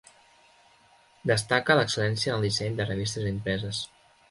Destaca l'excel·lència en el disseny de revistes impreses.